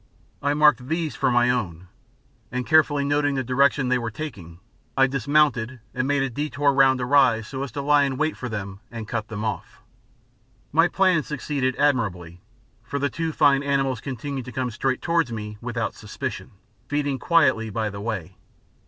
I marked these for my own, and carefully noting the direction they were taking, I dismounted and made a detour round a rise so as to lie in wait for them and cut them off. My plan succeeded admirably, for the two fine animals continued to come straight towards me without suspicion, feeding quietly by the way.